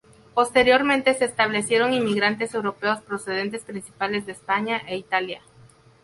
Posteriormente se establecieron inmigrantes europeos procedentes principalmente de España e Italia.